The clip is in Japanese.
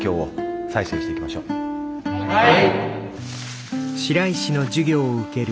はい。